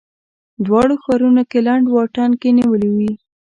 دواړو ښارونو کې لنډ واټن کې نیولې وې.